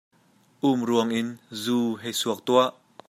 Umruang in zu hei suak tuah.